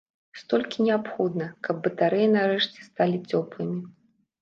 Столькі неабходна, каб батарэі нарэшце сталі цёплымі.